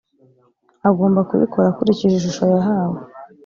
agomba kuyikora akurikije ishusho yahawe